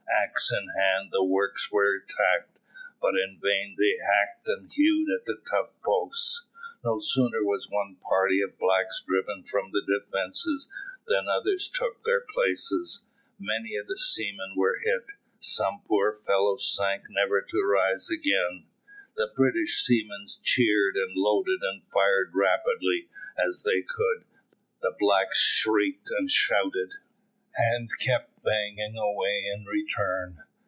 Axe in hand the works were attacked, but in vain they hacked and hewed at the tough posts. No sooner was one party of blacks driven from the defences than others took their places. Many of the seamen were hit; some poor fellows sank never to rise again. The British seamen cheered and loaded and fired as rapidly as they could; the blacks shrieked and shouted, and kept banging away in return.